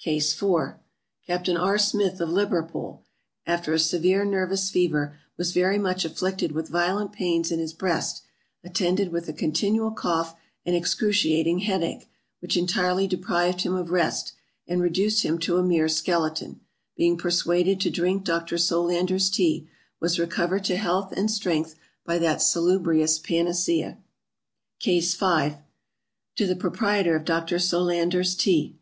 CASE IV. CAPT. R. SMITH, of Liverpool, after a severe nervous fever, was very much afflicted with violent Pains in his breast, attended with a continual cough and excruciating head ache, which entirely deprived him of rest, and reduced him to a mere skeleton; being persuaded to drink Dr. Solander's tea, was recovered to health and strength by that salubrious panacea. CASE V. To the Proprietor of Dr. SOLANDER'S TEA.